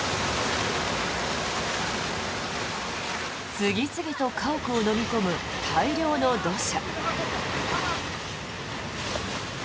次々と家屋をのみ込む大量の土砂。